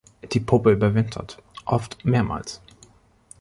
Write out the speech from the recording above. Die Puppe überwintert, oft mehrmals.